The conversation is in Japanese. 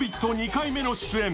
２回目の出演。